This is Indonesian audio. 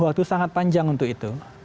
waktu sangat panjang untuk itu